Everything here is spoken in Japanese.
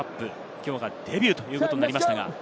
きょうがデビューということになりました。